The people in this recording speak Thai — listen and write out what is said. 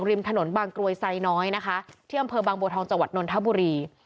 ริมถนนบางกรวยไซน้อยนะคะที่อำเภอบางบัวทองจังหวัดนนทบุรี